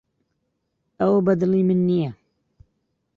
ئەوە بەدڵی من نییە.